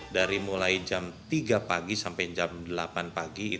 dari mulai jam tiga pagi sampai jam delapan pagi